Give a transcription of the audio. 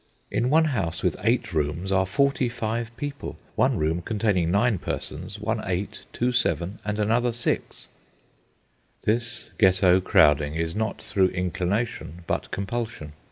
In one house with eight rooms are 45 people—one room containing 9 persons, one 8, two 7, and another 6. This Ghetto crowding is not through inclination, but compulsion.